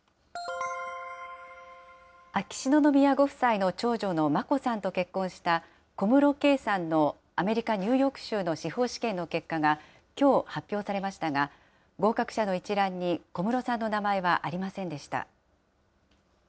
秋篠宮ご夫妻の長女の眞子さんと結婚した、小室圭さんのアメリカ・ニューヨーク州の司法試験の結果が、きょう発表されましたが、合格者の一覧に小室さんの名前はありませんでした。